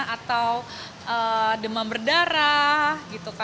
atau demam berdarah